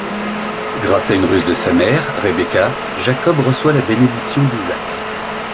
Grâce à une ruse de sa mère, Rébecca, Jacob reçoit la bénédiction d'Isaac.